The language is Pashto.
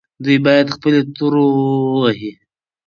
دوی باید خپلې تورو ووهي.